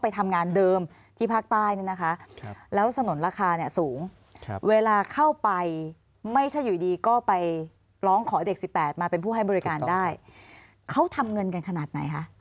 ไปร้องขอเด็กสิบแปดมาเป็นผู้ให้บริการได้เขาทำเงินกันขนาดไหนฮะ